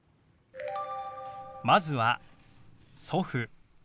まずは「祖父」。